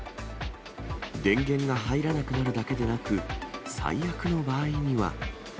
電源が入らなくなるだけでなく、最悪の場合には。